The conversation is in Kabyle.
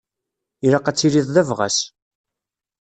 Ilaq ad tiliḍ d abɣas!